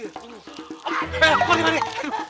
eh pak dek pak dek